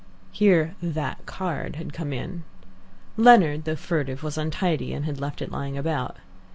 Here "that card" had come in. Leonard, though furtive, was untidy, and left it lying about.